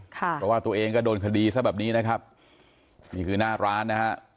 เพราะว่าตัวเองก็โดนคดีซะแบบนี้นะครับนี่คือหน้าร้านนะฮะ